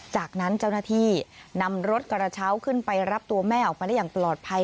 จากนั้นเจ้าหน้าที่นำรถกระเช้าขึ้นไปรับตัวแม่ออกมาได้อย่างปลอดภัย